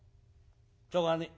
しょうがねえ。